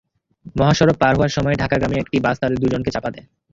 মহাসড়ক পার হওয়ার সময় ঢাকাগামী একটি বাস তাঁদের দুজনকে চাপা দেয়।